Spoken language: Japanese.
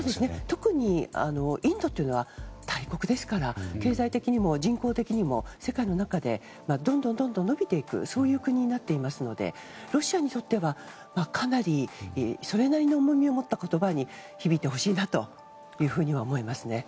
特にインドというのは大国ですから経済的にも人工的にも世界の中でどんどん伸びていくそういう国になっていますのでロシアにとってはかなりそれなりの重みを持った言葉に響いてほしいなというふうには思いますね。